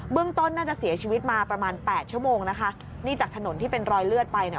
ต้นน่าจะเสียชีวิตมาประมาณแปดชั่วโมงนะคะนี่จากถนนที่เป็นรอยเลือดไปเนี่ย